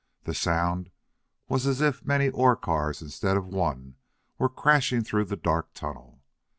The sound was as if many ore cars instead of one were crashing through the dark tunnel.